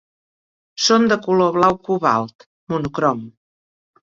Són de color blau cobalt, monocrom.